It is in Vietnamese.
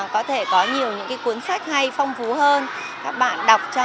có thể có nhiều những cuốn sách hay phong phú hơn các bạn đọc